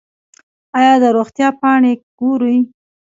ایا د روغتیا پاڼې ګورئ؟